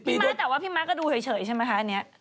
พี่มาจะว่าพี่มักก็ดูเฉยใช่ไหมคะอันนี้